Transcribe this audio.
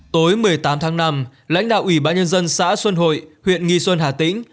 tối một mươi tám tháng năm lãnh đạo ủy ban nhân dân xã xuân hội huyện nghi xuân hà tĩnh